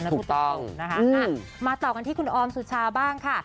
ถูกต้องนะคะมาต่อกันที่คุณออมสุชาบ้างค่ะ